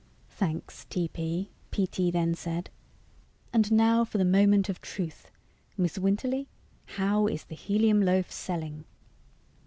"Thanks, T.P.," P.T. then said. "And now for the Moment of Truth. Miss Winterly, how is the helium loaf selling?"